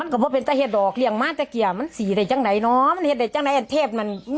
ครับ